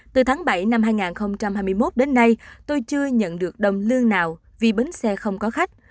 từ tháng bảy năm hai nghìn hai mươi một đến nay tôi chưa nhận được đồng lương nào vì bến xe không có khách